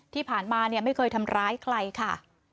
ที่ผ่านมาไม่เคยทำร้ายใครค่ะ